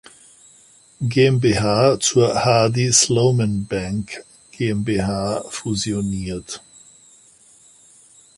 GmbH zur "Hardy-Sloman Bank GmbH" fusioniert.